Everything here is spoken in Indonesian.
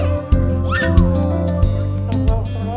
ngapain aku ketawa mas